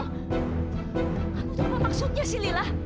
apa itu maksudnya sih lila